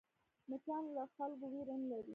مچان له خلکو وېره نه لري